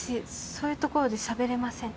そういうところでしゃべれません